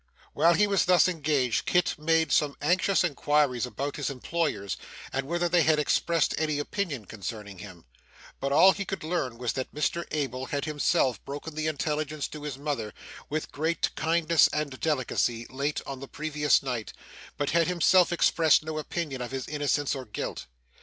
While he was thus engaged, Kit made some anxious inquiries about his employers, and whether they had expressed any opinion concerning him; but all he could learn was that Mr Abel had himself broken the intelligence to his mother, with great kindness and delicacy, late on the previous night, but had himself expressed no opinion of his innocence or guilt.